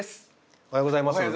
おはようございます。